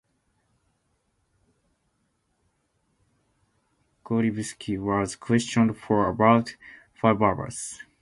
Gordievsky was questioned for about five hours.